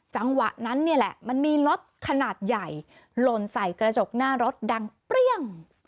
จังหวะนั้นมันมีรถขนาดใหญ่โหลนใส่กระจกหน้ารถดังเปรี้ยง